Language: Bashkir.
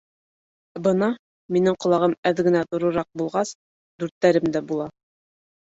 Ә бына минең колагым әҙ генә ҙурырак булгас, дүрттәрем дә була...